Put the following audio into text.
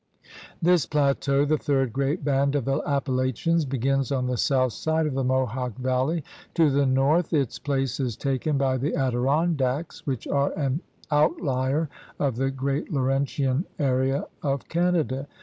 This plateau, the third great band of the Appa lachians, begins on the south side of the Mohawk Valley. To the north its place is taken by the Adirondacks, which are an outlier of the great Laurentian area of Canada.